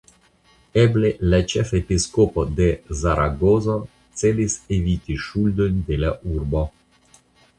Eble la ĉefepiskopo de Zaragozo celis eviti ŝuldojn de la urbo.